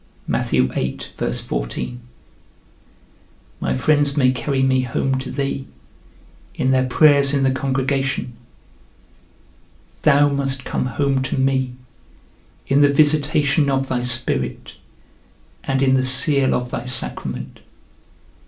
My friends may carry me home to thee, in their prayers in the congregation; thou must come home to me in the visitation of thy Spirit, and in the seal of thy sacrament.